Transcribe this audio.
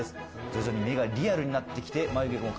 徐々に目がリアルになってきて、眉毛も